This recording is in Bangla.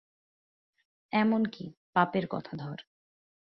এমন কি, পাপের কথা ধর।